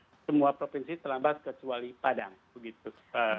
kemudian semua provinsi selamat kecuali padang begitu pak